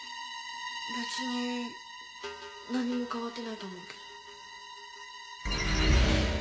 別に何も変わってないと思うけど。